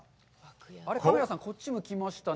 カメラさん、こっち向きましたね。